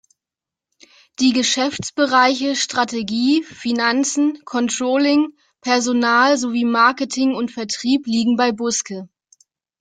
Die Geschäftsbereiche Strategie, Finanzen, Controlling, Personal sowie Marketing und Vertrieb liegen bei Buske.